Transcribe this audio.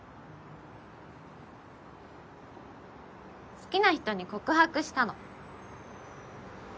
好きな人に告白したの。